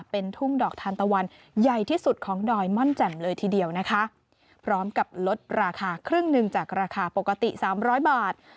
เป็นทุ่งดอกทานตะวันใหญ่ที่สุดของดอยม่อนแจ่มเลยทีเดียวนะคะพร้อมกับลดราคาครึ่งหนึ่งจากราคาปกติสามร้อยบาท